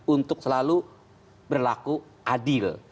untuk selalu berlaku adil